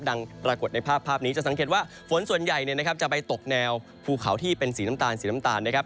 ปรากฏในภาพนี้จะสังเกตว่าฝนส่วนใหญ่จะไปตกแนวภูเขาที่เป็นสีน้ำตาลสีน้ำตาลนะครับ